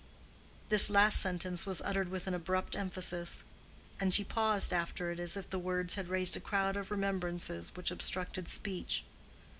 This last sentence was uttered with an abrupt emphasis, and she paused after it as if the words had raised a crowd of remembrances which obstructed speech.